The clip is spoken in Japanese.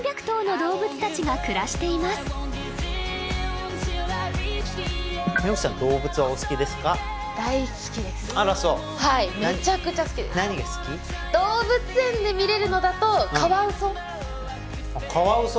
動物園で見れるのだとあっカワウソ？